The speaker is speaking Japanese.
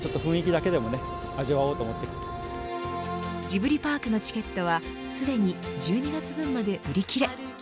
ジブリパークのチケットはすでに１２月分まで売り切れ。